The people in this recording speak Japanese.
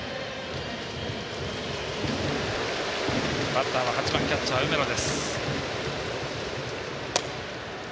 バッター８番キャッチャー、梅野。